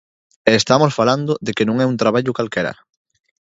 E estamos falando de que non é un traballo calquera.